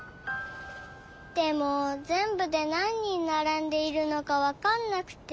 でもぜんぶでなん人ならんでいるのかわかんなくて。